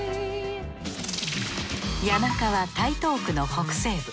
谷中は台東区の北西部。